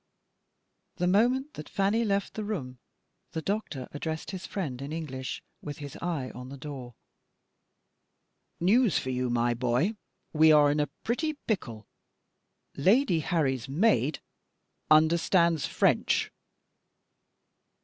The moment that Fanny left the room, the doctor addressed his friend in English, with his eye on the door: "News for you, my boy! We are in a pretty pickle Lady Harry's maid understands French."